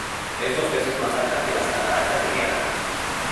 Es dos veces más alta que las Cataratas del Niágara.